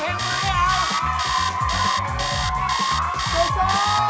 มือไม่เอานะ